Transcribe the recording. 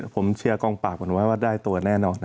ผมเชียร์กองปราบว่าได้ตัวแน่นอน